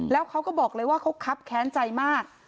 แล้วเขาก็บอกเลยว่าเขาคับแค้นใจมาก